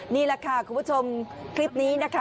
นี่แหละค่ะคุณผู้ชมคลิปนี้นะคะ